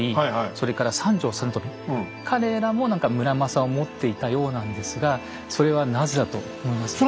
それから三条実美彼らも何か村正を持っていたようなんですがそれはなぜだと思いますか？